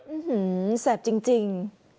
อื้อหือเสียบจริง